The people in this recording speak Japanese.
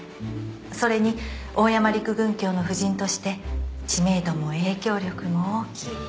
それに大山陸軍卿の夫人として知名度も影響力も大きい。